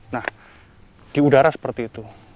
nah di udara seperti itu